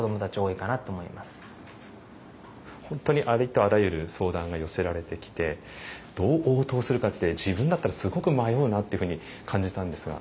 本当にありとあらゆる相談が寄せられてきてどう応答するかって自分だったらすごく迷うなっていうふうに感じたんですが。